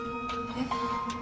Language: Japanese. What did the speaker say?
えっ？